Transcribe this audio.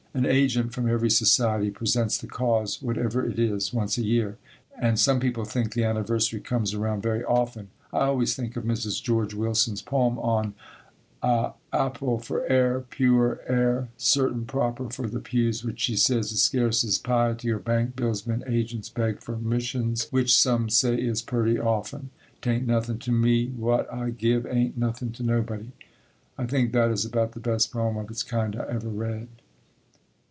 An agent from every society presents the cause, whatever it is, once a year and some people think the anniversary comes around very often. I always think of Mrs. George Wilson's poem on "A apele for air, pewer air, certin proper for the pews, which, she sez, is scarce as piety, or bank bills when ajents beg for mischuns, wich sum say is purty often, (taint nothin' to me, wat I give aint nothin' to nobody)." I think that is about the best poem of its kind I ever read.